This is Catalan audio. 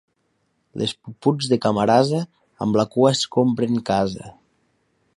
Les puputs de Camarasa, amb la cua escombren casa.